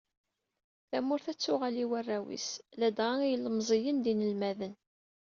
Tamurt ad tuɣal i warraw-is ladɣa i yilmeẓyen d yinelmaden.